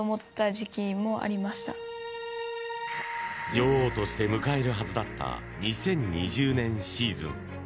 女王として迎えるはずだった２０２０年シーズン。